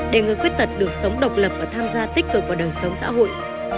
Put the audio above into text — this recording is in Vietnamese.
để người khuyết tật được sống độc lập và tham gia tích cực vào đời sống xã hội